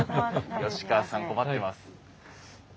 吉川さん困ってます。